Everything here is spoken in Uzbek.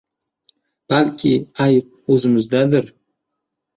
Balki ayb oʻzimizdadir.